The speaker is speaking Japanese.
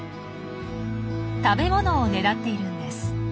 食べ物をねだっているんです。